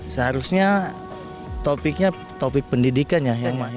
seharusnya topiknya topik pendidikannya